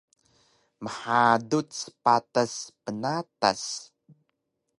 Mhaduc patas pnatas